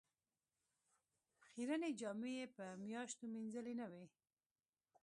خیرنې جامې یې په میاشتو مینځلې نه وې.